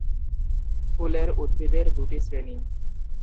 ফুলের উদ্ভিদের দুটি শ্রেণী।